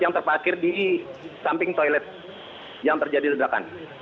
yang terparkir di samping toilet yang terjadi ledakan